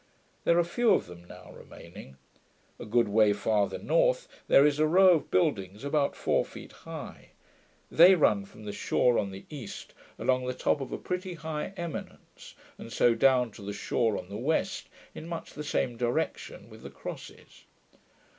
There are few of them now remaining. A good way farther north, there is a row of buildings about four feet high: they run from the shore on the east along the top of a pretty high eminence, and so down to the shore on the west, in much the same direction with the crosses.